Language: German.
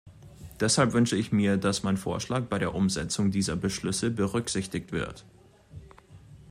Deshalb wünsche ich mir, dass mein Vorschlag bei der Umsetzung dieser Beschlüsse berücksichtigt wird.